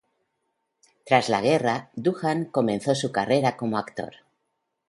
Tras la guerra, Doohan comenzó su carrera como actor.